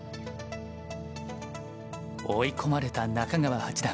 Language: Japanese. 追い込まれた中川八段。